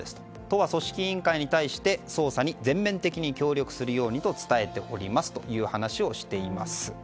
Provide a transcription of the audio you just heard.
都は組織委員会に対して捜査に全面的に協力するようにと伝えておりますという話をしています。